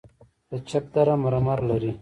د چپه دره مرمر لري